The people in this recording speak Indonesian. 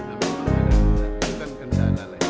dengan memang ada kelebihan kendala